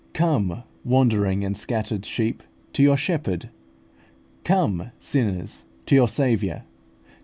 Come, wandering and scattered sheep, to your Shepherd. Come, sinners, to your Saviour.